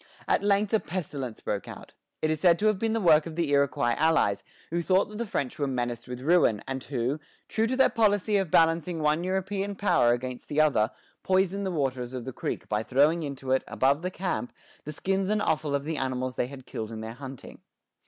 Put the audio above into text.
At length a pestilence broke out. It is said to have been the work of the Iroquois allies, who thought that the French were menaced with ruin, and who, true to their policy of balancing one European power against the other, poisoned the waters of the creek by throwing into it, above the camp, the skins and offal of the animals they had killed in their hunting.